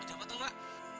ada apa toh mbak